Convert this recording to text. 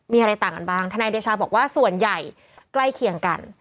มีอะไรต่างกันบ้างทนายเดชาบอกว่าส่วนใหญ่ใกล้เคียงกัน